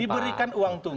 diberikan uang tunggu